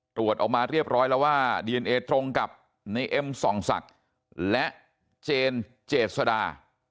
ตรวจออกมาเรียบร้อยแล้วว่าดีเอนเอตรงกับในเอ็มส่องศักดิ์และเจนเจษดา